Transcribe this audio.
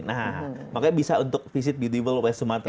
nah makanya bisa untuk visit beable west sumatra